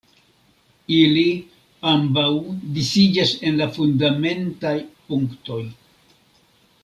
Ili ambaŭ disiĝas en la fundamentaj punktoj.